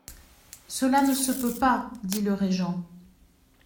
Cela ne se peut pas, dit le régent.